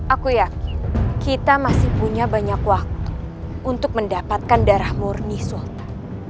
aku yakin kita masih punya banyak waktu untuk mendapatkan darah murni sulta